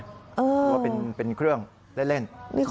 หรือเป็นเครื่องเล่น